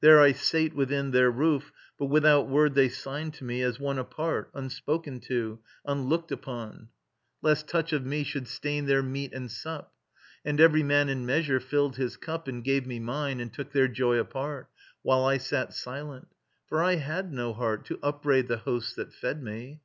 There I sate within their roof, But without word they signed to me, as one Apart, unspoken to, unlocked upon, Lest touch of me should stain their meat and sup. And every man in measure filled his cup And gave me mine, and took their joy apart, While I sat silent; for I had no heart To upbraid the hosts that fed me.